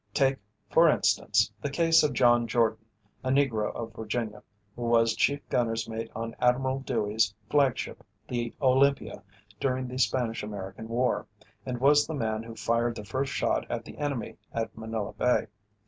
Take, for instance, the case of John Jordan, a Negro of Virginia, who was chief gunner's mate on Admiral Dewey's flagship the "Olympia" during the Spanish American war, and was the man who fired the first shot at the enemy at Manila Bay.